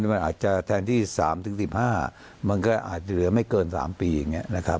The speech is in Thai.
มันอาจจะแทนที่๓๑๕มันก็อาจเหลือไม่เกิน๓ปี